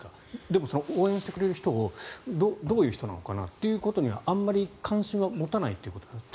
でも、その応援してくれる人がどういう人なのかなということにはあんまり関心は持たないということですか。